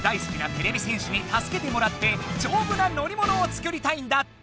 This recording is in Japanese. てれび戦士にたすけてもらってじょうぶな乗りものを作りたいんだって！